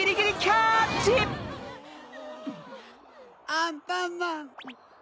アンパンマン！